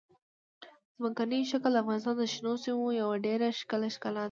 ځمکنی شکل د افغانستان د شنو سیمو یوه ډېره ښکلې ښکلا ده.